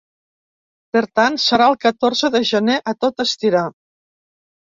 Per tant, serà el catorze de gener, a tot estirar.